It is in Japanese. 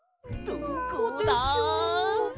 どこでしょう？